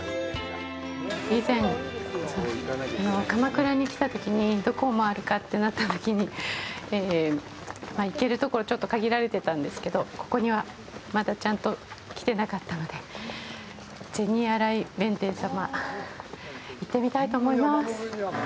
以前、鎌倉に来たときにどこを回るかってなったときに行けるところちょっと限られてたんですけどここにはまだちゃんと来てなかったので銭洗弁天さま、行ってみたいと思います。